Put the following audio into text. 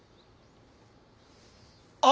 あ！